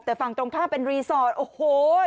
แต่ฝั่งตรงข้ามเป็นรีสอร์ทโอ้โห